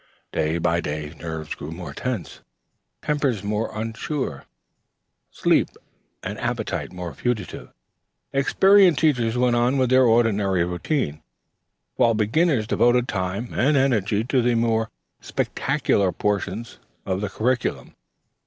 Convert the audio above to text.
Day by day nerves grew more tense, tempers more unsure, sleep and appetite more fugitive. Experienced teachers went stolidly on with the ordinary routine, while beginners devoted time and energy to the more spectacular portions of the curriculum.